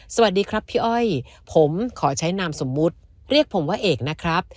สวัสดีครับพี่อ้อยผมขอใช้นามสมมุติเรียกผมว่าเอกนะครับ